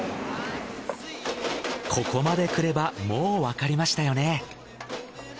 ここまでくればもうわかりましたよね。